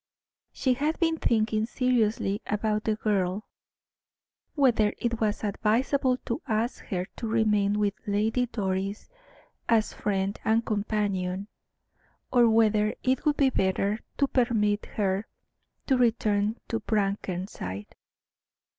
She had been thinking seriously about the girl whether it was advisable to ask her to remain with Lady Doris as friend and companion, or whether it would be better to permit her to return to Brackenside.